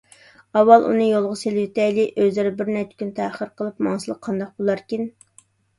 ئاۋۋال ئۇنى يولغا سېلىۋېتەيلى، ئۆزلىرى بىرنەچچە كۈن تەخىر قىلىپ ماڭسىلا قانداق بولاركىن؟